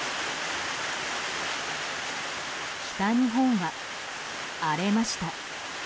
北日本は荒れました。